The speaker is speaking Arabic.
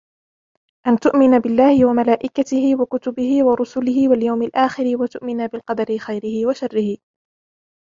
أَنْ تُؤْمِنَ بِاللهِ وَمَلاَئِكَتِهِ وَكُتُبِهِ وَرُسُلِهِ وَاليَوْمِ الآخِرِ، وَتُؤْمِنَ بِالْقَدَرِ خَيْرِهِ وَشَرِّهِِ